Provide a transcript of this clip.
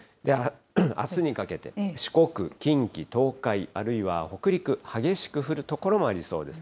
あすにかけて、四国、近畿、東海、あるいは北陸、激しく降る所もありそうです。